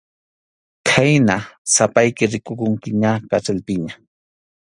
Khayna sapayki rikukunki ña karsilpiña.